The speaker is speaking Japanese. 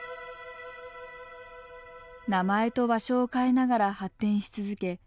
名前と場所を変えながら発展し続け